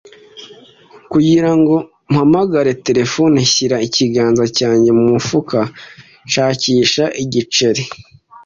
Kugira ngo mpamagare terefone, nshyira ikiganza cyanjye mu mufuka nshakisha igiceri.